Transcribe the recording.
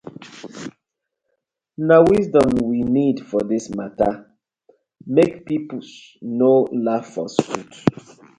Na wisdom we need for dis matta mek pipus no laugh us put.